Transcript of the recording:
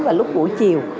và lúc buổi chiều